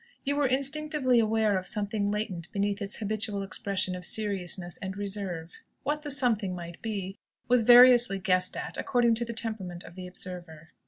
You were instinctively aware of something latent beneath its habitual expression of seriousness and reserve. What the "something" might be, was variously guessed at according to the temperament of the observer.